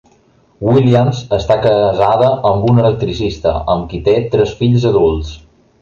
Williams està casada amb un electricista, amb qui té tres fills adults.